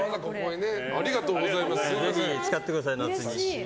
ぜひ使ってください。